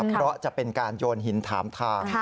เพราะจะเป็นการโยนหินถามทาง